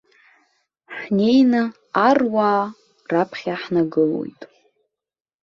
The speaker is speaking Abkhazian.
Ҳнеины аруаа раԥхьа ҳнагылоит.